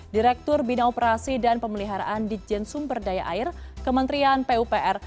direktur bina operasi dan pemeliharaan di jensum berdaya air kementerian pupr